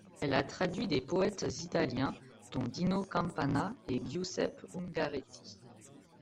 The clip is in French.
Elle a traduit des poètes italiens, dont Dino Campana et Giuseppe Ungaretti.